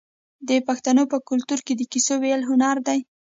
د پښتنو په کلتور کې د کیسو ویل هنر دی.